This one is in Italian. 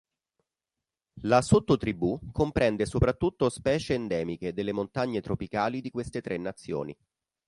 La sottotribù comprende soprattutto specie endemiche delle montagne tropicali di queste tre nazioni.